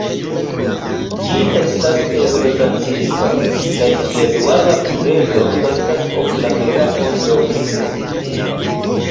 Ĝi estas edro-transitiva kaj ĝia duala pluredro estas oklatera kontraŭprismo.